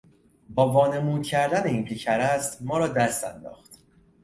با وانمودن کردن اینکه کر است ما را دست انداخت.